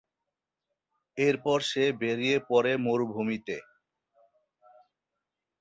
এরপর সে বেরিয়ে পড়ে মরুভূমিতে।